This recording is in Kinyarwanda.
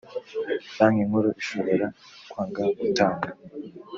banki nkuru ishobora kwanga gutanga